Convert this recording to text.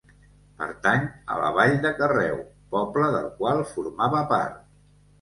Pertany a la vall de Carreu, poble del qual formava part.